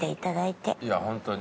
いやホントに。